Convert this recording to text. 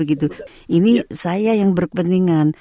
ini saya yang berpeningan